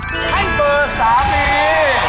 ให้เบอร์สามี